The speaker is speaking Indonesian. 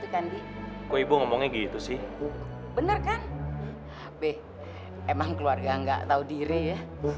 kan dikubur ngomongnya gitu sih bener kan hp emang keluarga nggak tahu diri ya